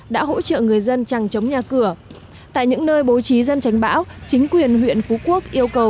đã hỗ trợ người dân chẳng chống nhà cửa tại những nơi bố trí dân tránh bão chính quyền huyện phú quốc yêu cầu